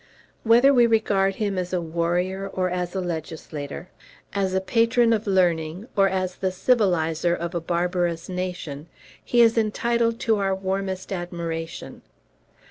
Whether we regard him as a warrior or as a legislator, as a patron of learning or as the civilizer of a barbarous nation, he is entitled to our warmest admiration.